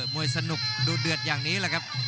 วยสนุกดูเดือดอย่างนี้แหละครับ